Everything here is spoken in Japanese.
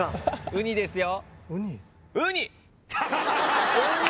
ウニですよ。